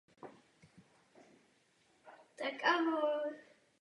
V obci se nachází římskokatolický kostel Růžencové Panny Marie.